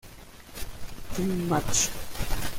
Team match".